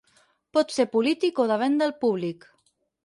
Pot ser polític o de venda al públic.